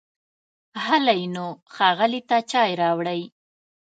هلی نو، ښاغلي ته چای راوړئ!